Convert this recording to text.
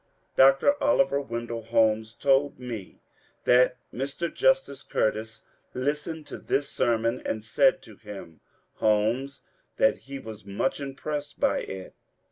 Dr. Oliver Wendell Holmes told me that Mr. Justice Cur tis listened to this sermon and said to him (Holmes) that he was much impressed by it.